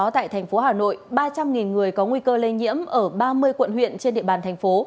tại thành phố hà nội ba trăm linh người có nguy cơ lây nhiễm ở ba mươi quận huyện trên địa bàn thành phố